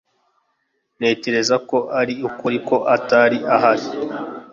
Ntekereza ko ari ukuri ko atari ahari.